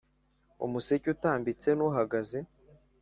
umuseke utambitse nu hagaze